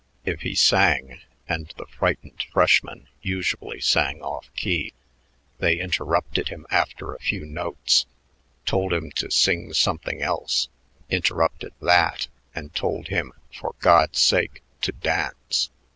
If he sang, and the frightened freshman usually sang off key, they interrupted him after a few notes, told him to sing something else, interrupted that, and told him "for God's sake" to dance.